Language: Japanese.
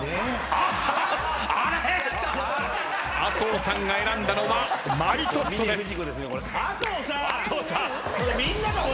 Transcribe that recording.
あっ！麻生さんが選んだのはマリトッツォです。